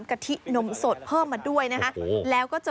มักกล้ามักกล้า